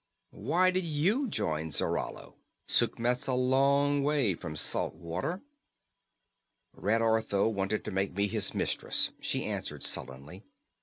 Why did you join Zarallo? Sukhmet's a long way from salt water." "Red Ortho wanted to make me his mistress," she answered sullenly.